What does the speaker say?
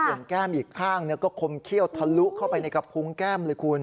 ส่วนแก้มอีกข้างก็คมเขี้ยวทะลุเข้าไปในกระพุงแก้มเลยคุณ